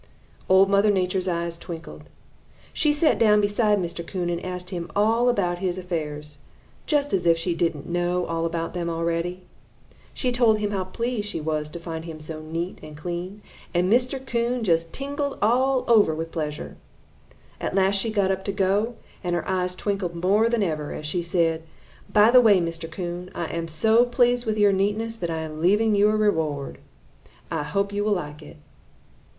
"Old Mother Nature's eyes twinkled. She sat down beside Mr. Coon and asked him all about his affairs, just as if she didn't know all about them already. She told him how pleased she was to find him so neat and clean, and Mr. Coon just tingled all over with pleasure. At last she got up to go, and her eyes twinkled more than ever, as she said: "'By the way, Mr. Coon, I am so pleased with your neatness that I am leaving you a reward. I hope you will like it.'